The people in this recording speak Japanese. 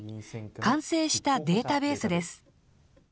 完成したデータベースです。